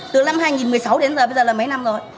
từ năm hai nghìn một mươi sáu đến giờ bây giờ là mấy năm rồi